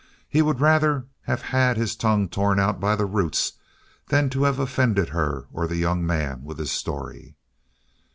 He would rather have had his tongue torn out by the roots than to have offended her or the young man with his story.